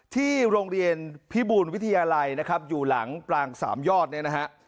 ที่โรงเรียนพิบูลวิทยาลัยนะครับอยู่หลังปลางสามยอดเนี่ยนะฮะ